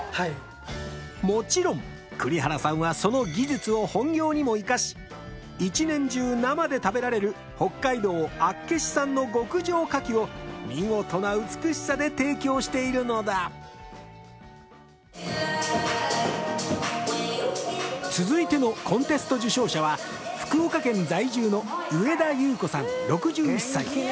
もちろん栗原さんはその技術を本業にも生かし一年中生で食べられる北海道厚岸産の極上牡蠣を見事な美しさで提供しているのだ続いてのコンテスト受賞者は福岡県在住の上田祐有子さん６１歳